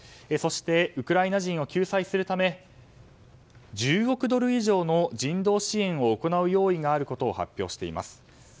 そして、ウクライナ人を救済するため１０億ドル以上の人道支援を行う用意があることを発表しています。